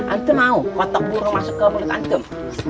anak mau kotak burung masuk ke mulut anak